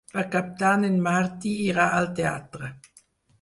Per Cap d'Any en Martí irà al teatre.